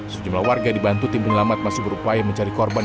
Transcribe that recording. sejumlah warga dibantu tim penyelamat masih berupaya mencari korban